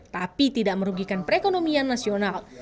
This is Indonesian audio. tapi tidak merugikan perekonomian nasional